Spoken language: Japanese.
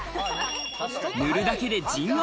塗るだけでじんわり